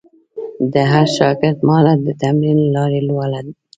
د هر شاګرد مهارت د تمرین له لارې لوړاوه.